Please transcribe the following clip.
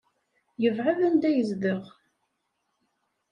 Yebɛed anda yezdeɣ.